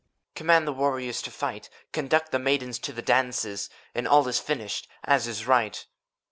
Command the warrior to the fight. Conduct the maiden to the dances. And all is finished, as is right.